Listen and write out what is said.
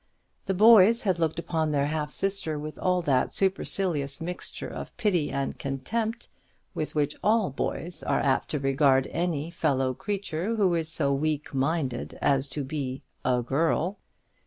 The boys had looked upon their half sister with all that supercilious mixture of pity and contempt with which all boys are apt to regard any fellow creature who is so weak minded as to be a girl.